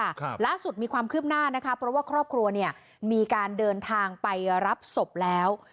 ครับล่าสุดมีความคืบหน้านะคะเพราะว่าครอบครัวเนี้ยมีการเดินทางไปรับศพแล้ว